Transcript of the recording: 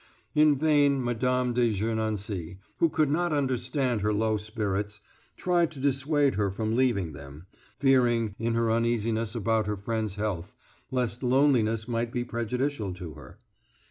In vain Mme. de Gernancé, who could not understand her low spirits, tried to dissuade her from leaving them, fearing, in her uneasiness about her friend's health, lest loneliness might be prejudicial to her.